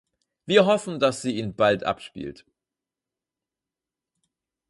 Wir hoffen, dass sie ihn bald abspielt.